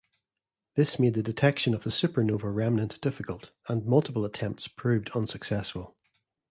This made detection of the supernova remnant difficult, and multiple attempts proved unsuccessful.